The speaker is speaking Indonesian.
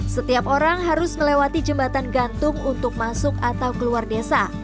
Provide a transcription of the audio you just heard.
setiap orang harus melewati jembatan gantung untuk masuk atau keluar desa